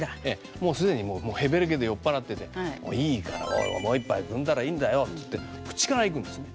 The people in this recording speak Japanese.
もう既にもうへべれけで酔っ払ってて「いいからおいもう一杯くんだらいいんだよ」って口からいくんですね。